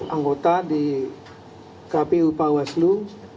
anggota di kpu bawaslu